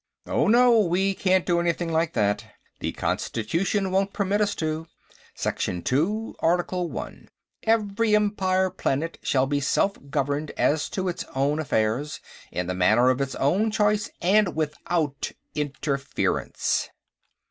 "Oh, no; we can't do anything like that. The Constitution won't permit us to. Section Two, Article One: _Every Empire planet shall be self governed as to its own affairs, in the manner of its own choice, and without interference.